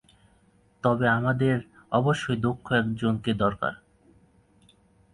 তবে আমাদের অবশ্যই দক্ষ একজনকে দরকার কে করবে?